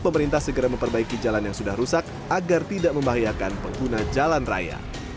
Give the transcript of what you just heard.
pemerintah segera memperbaiki jalan yang sudah rusak agar tidak membahayakan pengguna jalan raya